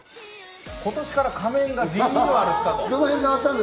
今年から仮面がリニューアルした？